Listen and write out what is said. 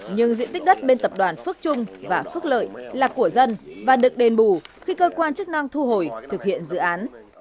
nhưng diện tích đất bên tập đoàn phước trung và phước lợi là của dân và được đền bù khi cơ quan chức năng thu hồi thực hiện dự án